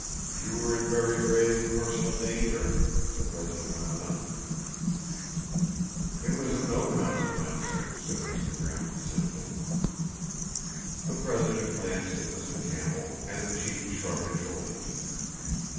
"You were in very grave personal danger?" the president went on. "It was of no consequence," said Mr. Grimm simply. The president glanced at Mr. Campbell and the chief shrugged his shoulders.